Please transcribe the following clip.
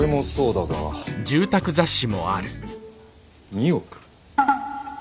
２億？